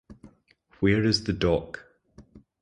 Where is the doc